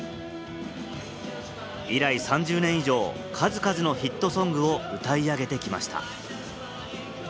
以来３０年以上、数々のヒットソングを歌い上げてきました。